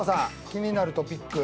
気になるトピック。